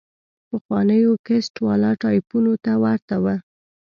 پخوانيو کسټ والا ټايپونو ته ورته وه.